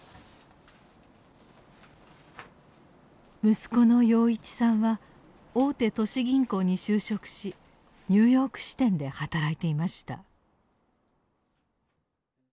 息子の陽一さんは大手都市銀行に就職しニューヨーク支店で働いていました。